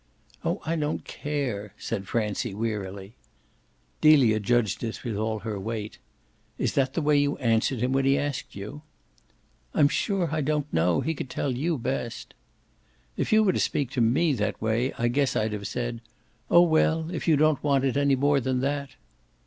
"Oh I don't care," said Francie wearily. Delia judged this with all her weight. "Is that the way you answered him when he asked you?" "I'm sure I don't know. He could tell you best." "If you were to speak to ME that way I guess I'd have said 'Oh well, if you don't want it any more than that